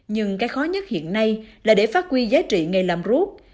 nhưng cái khó nhất hiện nay là để phát huy giá trị nghề làm rút